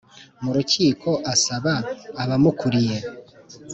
mu rukiko Asaba abamukuriye